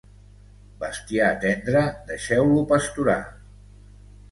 Bestiar tendre, deixeu-lo pasturar.